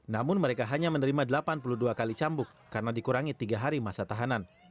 namun mereka hanya menerima delapan puluh dua kali cambuk karena dikurangi tiga hari masa tahanan